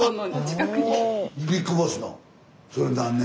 ビッグボスの。